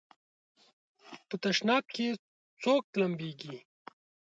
په تشناب کې څوک لمبېږي؟